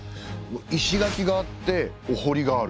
石垣があっておほりがある。